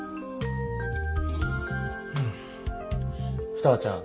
ふたばちゃん